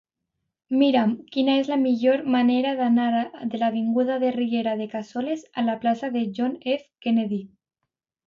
Mira'm quina és la millor manera d'anar de l'avinguda de la Riera de Cassoles a la plaça de John F. Kennedy.